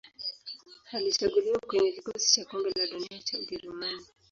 Alichaguliwa kwenye kikosi cha Kombe la Dunia cha Ujerumani.